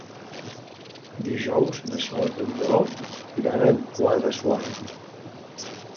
Dijous na Sol i en Lleó iran a Guadassuar.